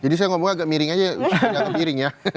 jadi saya ngomongnya agak miring aja